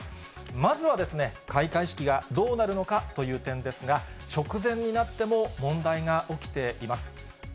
まずは開会式がどうなるのかという点ですが、直前になっても問題が起きています。